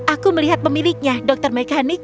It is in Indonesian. aku melihat pemiliknya dr mekanik